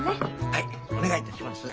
はいお願いいたします。